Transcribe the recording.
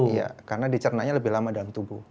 iya karena dicernanya lebih lama dalam tubuh